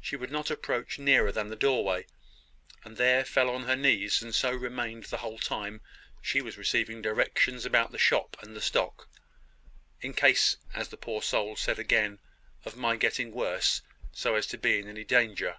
She would not approach nearer than the doorway, and there fell down on her knees, and so remained the whole time she was receiving directions about the shop and the stock, `in case,' as the poor soul again said, `of my getting worse, so as to be in any danger.'